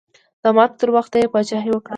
د مرګ تر وخته یې پاچاهي وکړه.